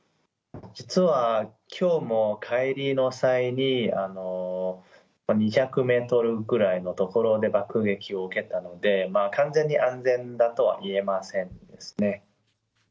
実はきょうも帰りの際に、２００メートルぐらいの所で爆撃を受けたので、完全に安全だとは言えませんですね。